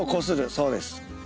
そうです。